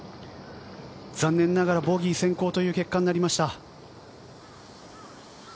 残念ながらボギー先行という結果になりました。